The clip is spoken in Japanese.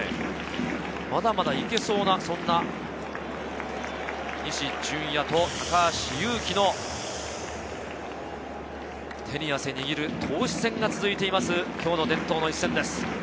まだまだいけそうな西純矢と高橋優貴の手に汗握る投手戦が続いています、今日の伝統の一戦です。